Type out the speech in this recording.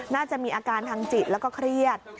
น่าจะมีอาการทางจิตแล้วก็เครียด